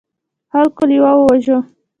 خلکو لیوه وواژه.